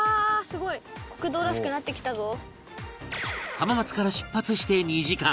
浜松から出発して２時間